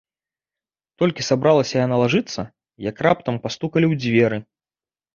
Толькі сабралася яна лажыцца, як раптам пастукалі ў дзверы.